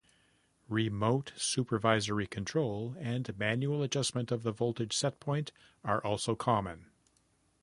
Remote supervisory control and manual adjustment of the voltage set-point are also common.